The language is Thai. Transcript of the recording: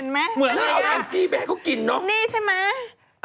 เมื่อกว่านเห็นไหมนี่ใช่ไหม